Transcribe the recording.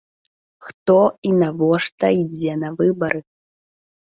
Хто і навошта ідзе на выбары?